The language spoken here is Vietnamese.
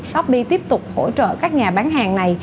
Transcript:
topy tiếp tục hỗ trợ các nhà bán hàng này